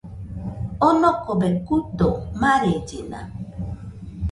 Onokobe kuido, marellena